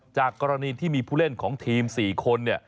จากกรณีที่มีผู้เล่นของทีม๔คน